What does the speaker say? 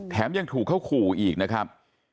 ยังถูกเขาขู่อีกนะครับ